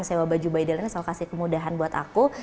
sewa baju by della selalu kasih kemudahan buat aku